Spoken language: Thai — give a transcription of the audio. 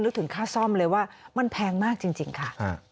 ถึงค่าซ่อมเลยว่ามันแพงมากจริงค่ะ